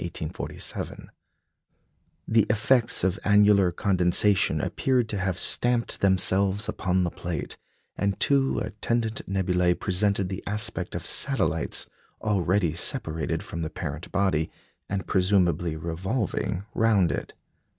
The effects of annular condensation appeared to have stamped themselves upon the plate, and two attendant nebulæ presented the aspect of satellites already separated from the parent body, and presumably revolving round it.